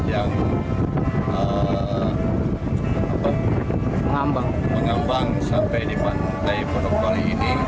yang mengambang sampai di pantai pondok bali